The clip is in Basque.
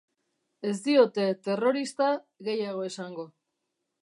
Ez diote terrorista gehiago esango.